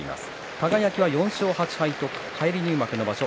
輝は４勝８敗と返り入幕の場所